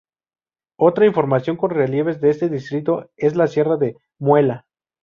Otra formación con relieves de este distrito es la Sierra de la Muela.